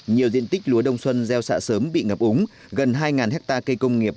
nhiều diện tích lúa đông xuân gieo xạ sớm bị ngập úng gần hai hectare cây công nghiệp